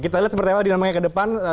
kita lihat seperti apa dinamanya ke depan